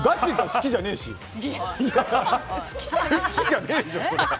好きじゃねえでしょ。